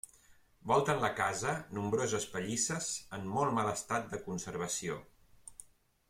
Volten la casa nombroses pallisses en molt mal estat de conservació.